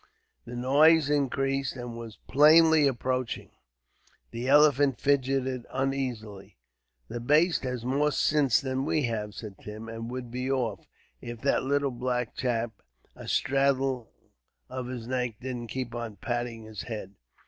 The noise increased, and was plainly approaching. The elephant fidgeted uneasily. "That baste has more sinse than we have," said Tim; "and would be off, if that little black chap, astraddle of his neck, didn't keep on patting his head."